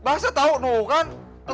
bahasa tau noh kan